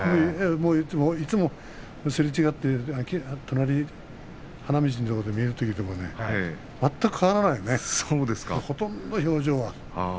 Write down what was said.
いつもすれ違って花道のところで見ても全く変わらないねほとんど表情は。